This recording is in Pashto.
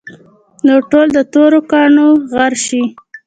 نور ټول د تورو کاڼو غر شي.